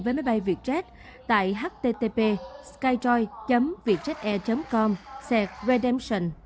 với máy bay vietjet tại http skyjoy vietjetair com